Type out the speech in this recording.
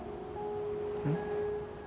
うん？